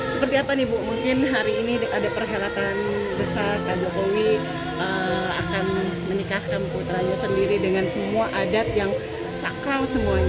seperti apa nih bu mungkin hari ini ada perhelatan besar pak jokowi akan menikahkan putranya sendiri dengan semua adat yang sakral semuanya